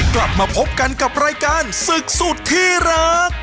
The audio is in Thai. กลับมาพบกันกับรายการศึกสุดที่รัก